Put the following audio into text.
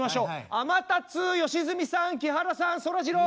あまたつー良純さん木原さんそらジロー。